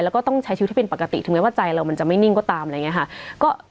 แล้วก็ต้องใช้ชีวิตให้เป็นปกติถึงแม้ว่าใจเรามันจะไม่นิ่งก็ตามอะไรอย่างนี้ค่ะ